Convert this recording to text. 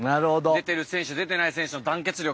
出てる選手、出てない選手の団結力。